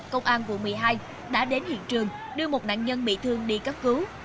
công an quận một mươi hai đã đến hiện trường đưa một nạn nhân bị thương đi cấp cứu